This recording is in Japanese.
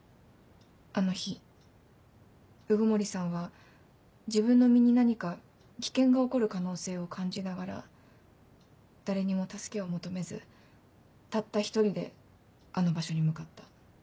あの日鵜久森さんは自分の身に何か危険が起こる可能性を感じながら誰にも助けを求めずたった一人であの場所に向かった。